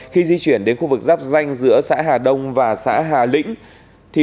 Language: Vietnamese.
khi di chuyển đến khu vực giáp danh giữa xã hà đông và xã hà lĩnh